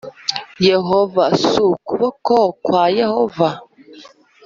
Yehova s ukuboko kwa Yehova